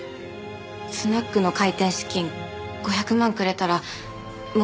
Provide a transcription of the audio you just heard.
スナックの開店資金５００万くれたらもう大丈夫だから。